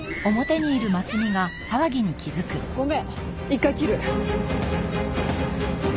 ごめん１回切る。